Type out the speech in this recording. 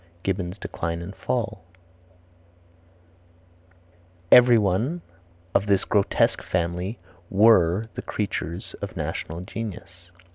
Gibbon's Decline and Fall. "Everyone of this grotesque family were the creatures of national genius."